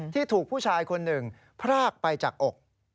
ที่ถูกผู้ชายคนหนึ่งพรากไปจากอก